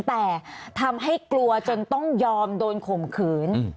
แต่ทำให้กลัวจนต้องยอมโดนข่มขืน